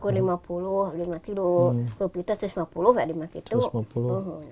kalau itu lima puluh kalau itu lima puluh